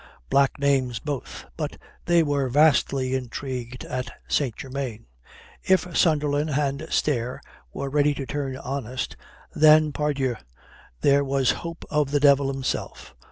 Black names both. But they were vastly intrigued at St. Germain. If Sunderland and Stair were ready to turn honest, then pardieu, there was hope of the devil himself.